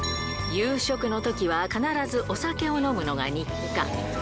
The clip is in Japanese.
夕食のときは必ずお酒を飲むのが日課。